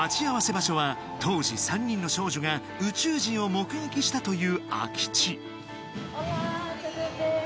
場所は当時３人の少女が宇宙人を目撃したという空き地